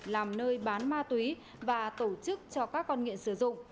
làm nơi bán ma túy và tổ chức cho các con nghiện sử dụng